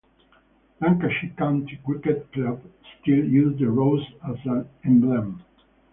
Lancashire County Cricket Club still use the rose as an emblem.